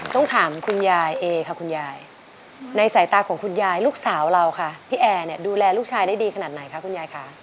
ต้องถามคุณยายเอค่ะคุณยายในสายตาของคุณยายลูกสาวเราค่ะพี่แอร์เนี่ยดูแลลูกชายได้ดีขนาดไหนคะคุณยายค่ะ